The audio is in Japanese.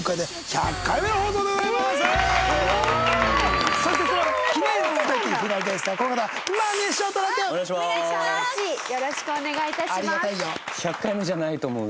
１００回目じゃないと思う。